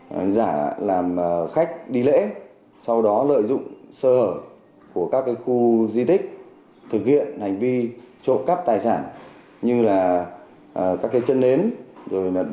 để giả làm khách đi lễ sau đó lợi dụng sơ hở của các khu di tích thực hiện hành vi trộn cắp tài sản